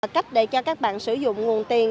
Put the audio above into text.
cách để cho các bạn sử dụng nguồn tiền